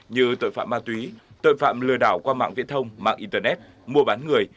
như tội phạm ma túy tội phạm lừa đảo qua mạng viễn thông mạng internet mua bán người